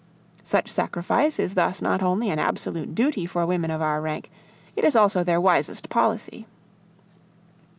Such sacrifice is thus not only an absolute duty for women of our rank, it is also their wisest policy.